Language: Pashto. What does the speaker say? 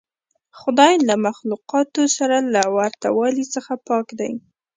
خدای له مخلوقاتو سره له ورته والي څخه پاک دی.